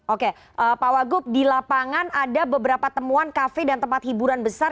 oke pak wagub di lapangan ada beberapa temuan kafe dan tempat hiburan besar